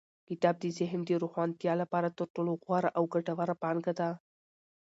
کتاب د ذهن د روښانتیا لپاره تر ټولو غوره او ګټوره پانګه ده.